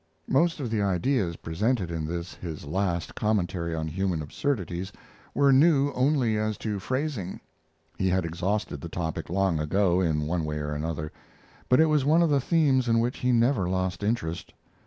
Most of the ideas presented in this his last commentary on human absurdities were new only as to phrasing. He had exhausted the topic long ago, in one way or another; but it was one of the themes in which he never lost interest.